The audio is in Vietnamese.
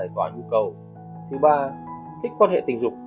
thứ ba thích quan hệ tình dục